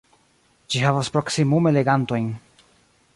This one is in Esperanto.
Ĝi havas proksimume legantojn.